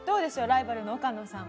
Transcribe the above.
ライバルの岡野さん。